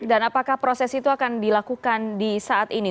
dan apakah proses itu akan dilakukan di saat ini